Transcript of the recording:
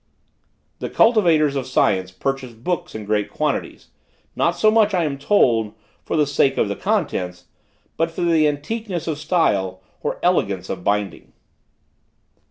"The cultivators of science purchase books in great quantities, not so much, I am told, for the sake of the contents, as for their antiqueness of style or elegance of binding.